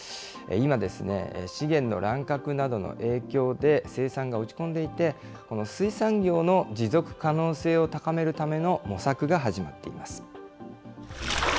今、資源の乱獲などの影響で生産が落ち込んでいて、水産業の持続可能性を高めるための模索が始まっています。